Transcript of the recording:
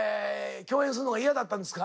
共演するのが嫌だったんですか？